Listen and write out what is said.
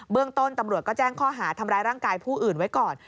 เรื่องต้นตำรวจก็แจ้งข้อหาทำร้ายร่างกายผู้อื่นไว้ก่อน